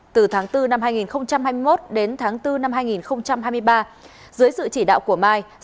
từ tháng bốn năm hai nghìn hai mươi một đến tháng bốn năm hai nghìn hai mươi ba dưới sự chỉ đạo của mai